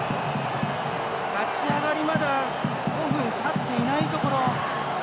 立ち上がりまだ５分たっていないところ。